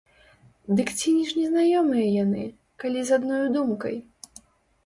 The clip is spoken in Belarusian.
Дык ці ж незнаёмыя яны, калі з адною думкай!